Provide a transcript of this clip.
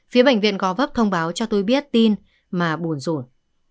phía bệnh viện gó vấp thông báo cho tôi biết tin mà buồn rủn